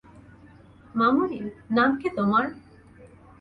মামুনি, নাম কী তোমার?